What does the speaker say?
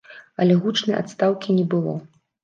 Але гучнай адстаўкі не было.